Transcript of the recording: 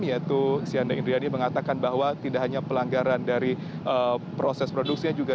yaitu sianda indriani mengatakan bahwa tidak hanya pelanggaran dari proses produksinya juga